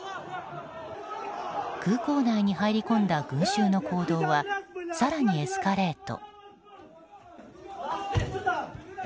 空港内に入り込んだ群衆の行動は更にエスカレート。